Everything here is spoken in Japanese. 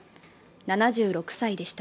７６歳でした。